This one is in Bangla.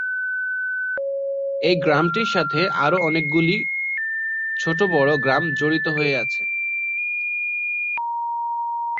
এই গ্রামটির সাথে আরও অনেকগুলি ছটো-বড় গ্রাম জড়িত হয়ে আছে।